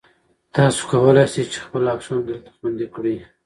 تاسو کولای شئ چې خپل عکسونه دلته خوندي کړئ.